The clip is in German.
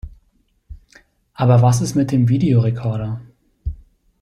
Aber was ist mit dem Videorekorder?